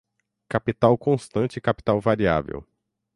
Capital constante e capital variável